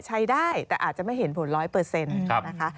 ใช้ได้แต่อาจจะไม่เห็นผล๑๐๐นะคะ